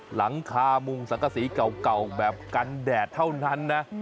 หลังคามุงสังกษีเก่าแบบกันแดดเท่านั้นนะ